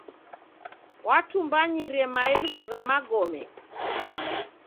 Watumbanyire maelfu gha magome.